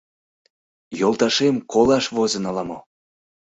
— Йолташем колаш возын ала-мо...